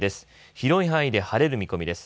広い範囲で晴れる見込みです。